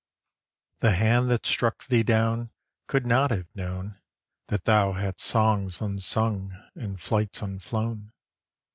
The hand that struck thee down Could not have known That thou hadst songs unsung And flights unflown.